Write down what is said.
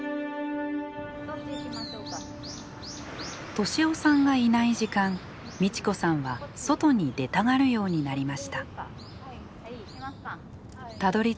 利夫さんがいない時間ミチ子さんは外に出たがるようになりました。